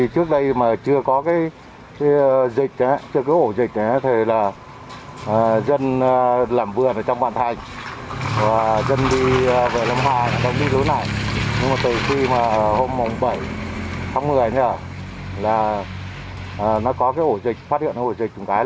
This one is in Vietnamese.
trước đây là một ngày trên ba ca từ sáu giờ sáng cho tới một mươi hai giờ trưa